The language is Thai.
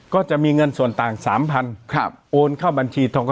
ก็จะมีเงินส่วนต่าง๓๐๐๐โอนเข้าบัญชีทธิ์ทรงกษร